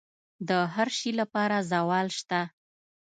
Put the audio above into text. د هر شي لپاره زوال شته،